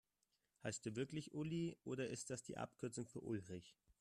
Heißt du wirklich Uli, oder ist das die Abkürzung für Ulrich?